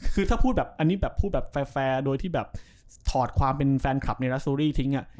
คือถ้าพูดแบบแฟร์โดยที่ถอดความเป็นแฟนคลับในรัสโซรี่ทิ้ง